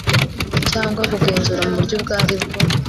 cyangwa kugenzura mu buryo ubwo ari bwo